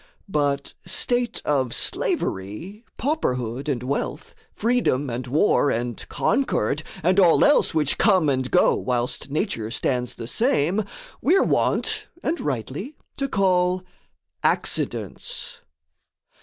But state of slavery, pauperhood, and wealth, Freedom, and war, and concord, and all else Which come and go whilst nature stands the same, We're wont, and rightly, to call accidents.